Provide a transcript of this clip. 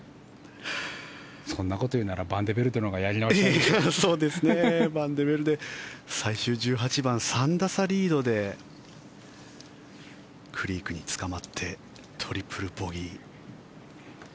そんなこと言うならばバンデベルデのほうがバンデベルデ最終１８番、３打差リードでクリークにつかまってトリプルボギー。